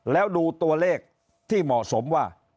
แล้วดูตัวเลขที่เหมาะสมว่า